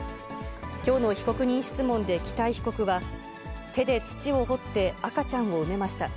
きょうの被告人質問で北井被告は、手で土を掘って赤ちゃんを埋めました。